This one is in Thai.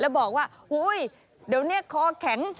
แล้วบอกว่าอุ๊ยเดี๋ยวนี้คอแข็ง